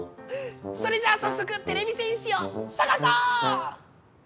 それじゃあさっそくてれび戦士をさがそう！